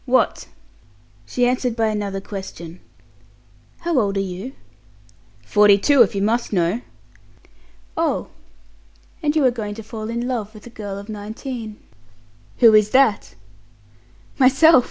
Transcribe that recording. "What?" She answered by another question. "How old are you?" "Forty two, if you must know." "Oh! And you are going to fall in love with a girl of nineteen." "Who is that?" "Myself!"